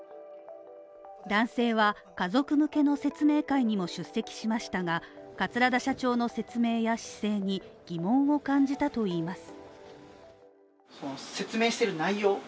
男性は家族向けの説明会にも出席しましたが、桂田社長の説明や姿勢に疑問を感じたといいます。